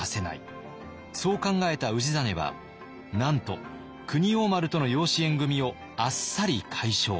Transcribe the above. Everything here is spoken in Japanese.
そう考えた氏真はなんと国王丸との養子縁組をあっさり解消。